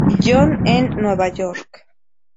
John en Nueva York.